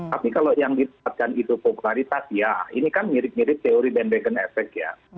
tapi kalau yang diterapkan itu popularitas ya ini kan mirip mirip teori dan back and effect ya